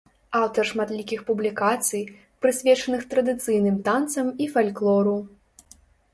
Аўтар шматлікіх публікацый, прысвечаных традыцыйным танцам і фальклору.